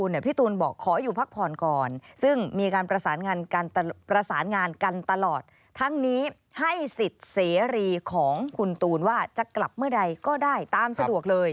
ให้สิทธิ์เสรีของคุณตูนว่าจะกลับเมื่อใดก็ได้ตามสะดวกเลย